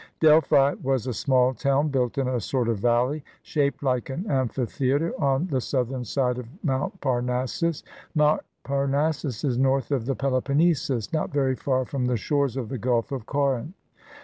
Delphi was a small town built in a sort of valley, shaped like an amphitheater, on the southern side of Mount Parnassus. Mount Parnassus is north of the Peloponnesus, not very far from the shores of the Gulf of Corinth.